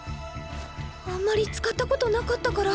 あんまり使ったことなかったから。